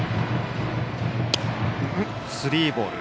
スリーボール。